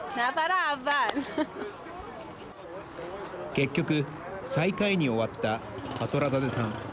結局、最下位に終わったファトラザデさん。